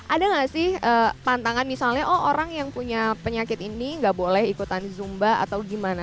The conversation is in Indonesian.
ada gak sih pantangan misalnya orang yang punya penyakit ini gak boleh ikutan zumba atau gimana